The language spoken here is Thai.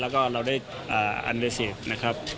แล้วก็เราได้อันไรศพร์นะครับ